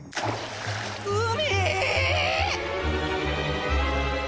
海！？